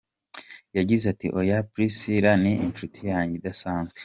Yagize ati “Oya Priscilah ni inshuti yanjye idasanzwe.